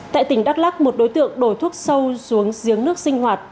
tại tỉnh đắk lắc một đối tượng đổ thuốc sâu xuống giếng nước sinh hoạt